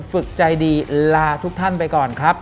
ฝึกใจดีลาทุกท่านไปก่อนครับ